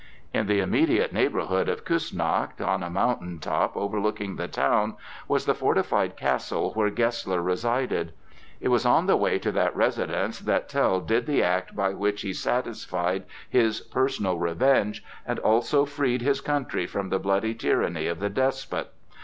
In the immediate neighborhood of Kuessnacht, on a mountain top overlooking the town, was the fortified castle where Gessler resided. It was on the way to that residence that Tell did the act by which he satisfied his personal revenge and also freed his country from the bloody tyranny of the despot.